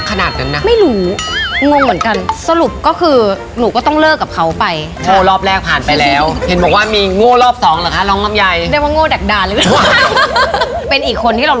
เขามึงอยากจะเลิกกับเราเต็มทีแล้วอะไรอย่างนี้